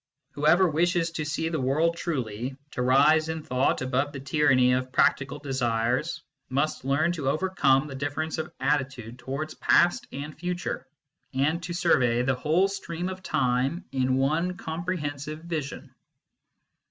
Whoever wishes to see the world truly, to rise in thought above the tyranny of practical desires, must learn to overcome the difference of attitude towards past and future, and to survey the whole stream of time in one comprehensive vision.